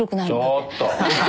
ちょっと。